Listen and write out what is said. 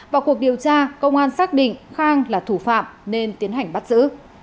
vào cuộc điều tra công an xác định khang là thủ phạm nên tiến hành bắt giữ